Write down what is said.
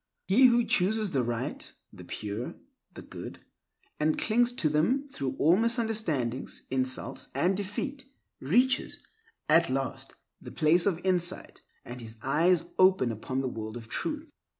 He who chooses the right, the pure, the good, and clings to them through all misunderstandings, insults, and defeat, reaches, at last, the place of insight, and his eyes open upon the world of truth.